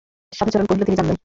সাধুচরণ কহিল, তিনি যান নাই।